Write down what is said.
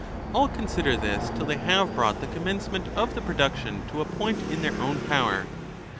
All consider this till they have brought the commencement of the production to a point in their own power.